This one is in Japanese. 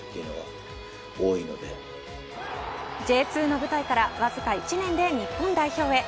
Ｊ２の舞台からわずか１年で日本代表へ。